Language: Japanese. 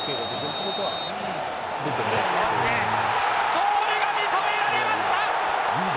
ゴールが認められました！